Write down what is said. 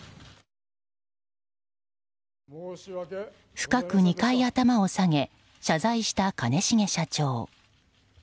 深く２回頭を下げ謝罪した兼重社長。